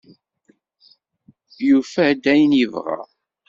Yufa-d ayen yebɣa.